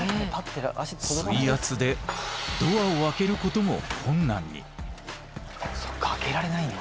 水圧でドアを開けることも困難に。